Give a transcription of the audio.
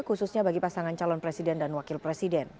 khususnya bagi pasangan calon presiden dan wakil presiden